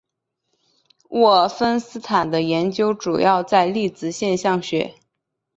沃芬斯坦的研究主要在粒子现象学。